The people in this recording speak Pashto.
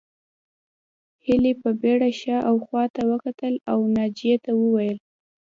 هيلې په بېړه شا او خواته وکتل او ناجيې ته وویل